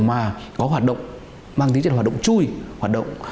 mà có hoạt động mang tính chất hoạt động chui hoạt động